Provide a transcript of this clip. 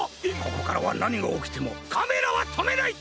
ここからはなにがおきてもカメラはとめない！